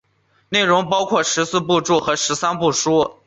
内容包括十四部注和十三部疏。